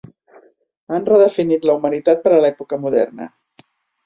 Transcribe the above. Han redefinit la humanitat per a l'època moderna.